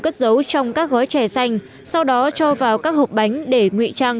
cất giấu trong các gói trẻ xanh sau đó cho vào các hộp bánh để nguy trang